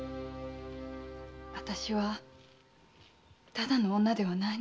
私はただの女ではないのですね？